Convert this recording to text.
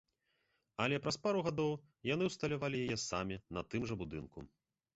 Але праз пару гадоў яны ўсталявалі яе самі на тым жа будынку.